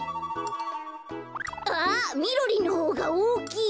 あっみろりんのほうがおおきい！